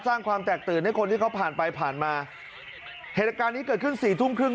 สร้างความแตกตื่นให้คนที่เขาผ่านไปผ่านมาเหตุการณ์นี้เกิดขึ้นสี่ทุ่มครึ่ง